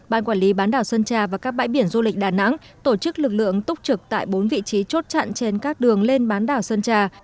ban quản lý bán đảo sơn trà và các bãi biển du lịch đà nẵng tổ chức lực lượng túc trực tại bốn vị trí chốt chặn trên các đường lên bán đảo sơn trà